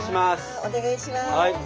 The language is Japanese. お願いします。